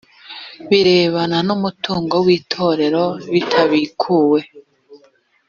birebana n umutungo w ltorero bitabikuwe